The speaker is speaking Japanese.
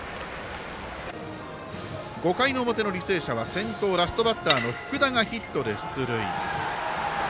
５回の表の履正社は先頭、ラストバッターの福田がヒットで出塁。